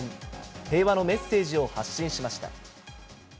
平和のメッセージを発信しました。